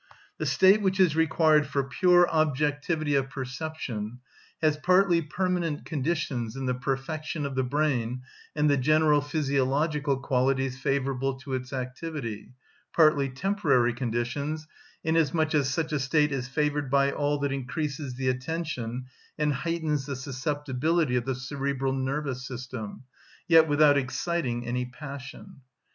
The state which is required for pure objectivity of perception has partly permanent conditions in the perfection of the brain and the general physiological qualities favourable to its activity, partly temporary conditions, inasmuch as such a state is favoured by all that increases the attention and heightens the susceptibility of the cerebral nervous system, yet without exciting any passion.